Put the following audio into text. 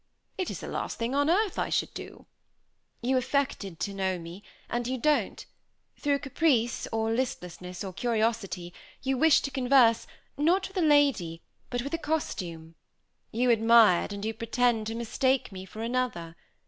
"It is the last thing on earth I should do." "You affected to know me, and you don't; through caprice, or listlessness, or curiosity, you wished to converse, not with a lady, but with a costume. You admired, and you pretend to mistake me for another.